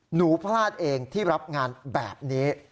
หนูพลาดเองที่รับงานแบบนี้